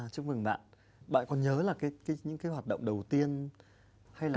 chúc mừng bạn bạn có nhớ là những hoạt động đầu tiên hay là